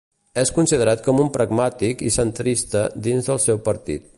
És considerat com un pragmàtic i centrista dins del seu partit.